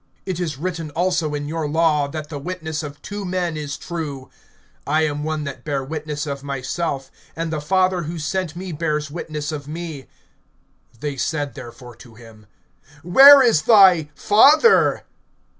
(17)It is written also in your law, that the witness of two men is true. (18)I am one that bear witness of myself, and the Father who sent me bears witness of me. (19)They said therefore to him: Where is thy Father?